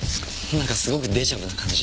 なんかすごくデジャブな感じ。